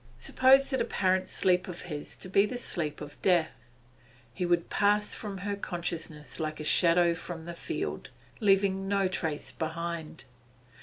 Suppose that apparent sleep of his to be the sleep of death; he would pass from her consciousness like a shadow from the field, leaving no trace behind.